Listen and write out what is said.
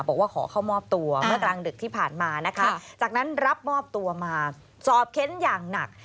บอกว่าขอเข้ามอบตัวเมื่อกลางดึกที่ผ่านมานะคะจากนั้นรับมอบตัวมาสอบเค้นอย่างหนัก